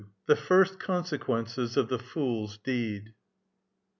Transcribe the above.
THE FIRST CONSEQUENCES OF THE FOOL'S DEED.